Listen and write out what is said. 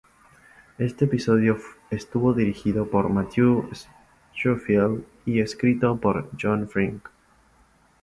Este episodio estuvo dirigido por Matthew Schofield y escrito por John Frink.